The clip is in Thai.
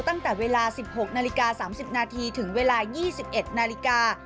ตั้งแต่เวลา๑๖นาฬิกา๓๐นาทีถึงเวลา๒๑นาฬิกา